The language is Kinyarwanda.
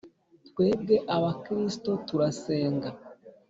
Twebwe Abakristo turasenga